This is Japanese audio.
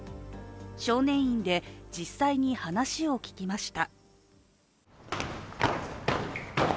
少年院で実際に話を聞きました。